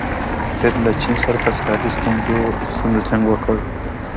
هند له چین سره په سرحدي ستونزه جنګ وکړ.